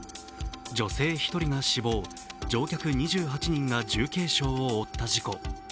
女性１人が死亡、乗客２８人が重軽傷を負った事故。